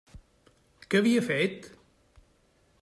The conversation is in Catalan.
Què havia fet?